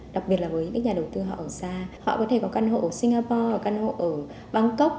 đặc biệt là với các nhà đầu tư họ ở xa họ có thể có căn hộ singapore hoặc căn hộ ở bangkok